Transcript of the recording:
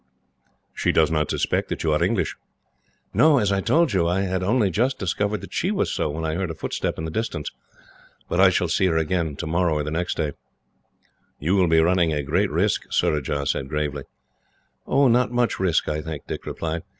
"She does not suspect that you are English?" "No. As I told you, I had only just discovered that she was so, when I heard a footstep in the distance. But I shall see her again, tomorrow or next day." "You will be running a great risk," Surajah said gravely. "Not much risk, I think," Dick replied.